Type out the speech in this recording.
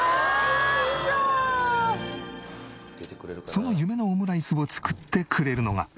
その夢のオムライスを作ってくれるのが。